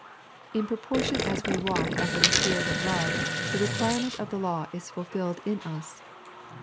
In proportion as we walk after the Spirit of Love the requirement of the law is ful filled in us (Bom.